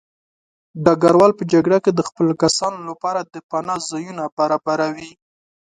ډګروال په جګړه کې د خپلو کسانو لپاره د پناه ځایونه برابروي.